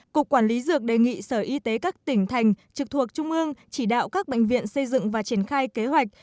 cục quản lý dược đề nghị sở y tế các tỉnh thành trực thuộc trung ương chỉ đạo các bệnh viện xây dựng và triển khai kế hoạch